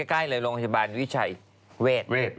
ใกล้เลยโรงพยาบาลวิชัยเวท